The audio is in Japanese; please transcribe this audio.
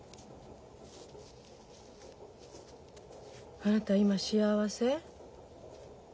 あなた今幸せ？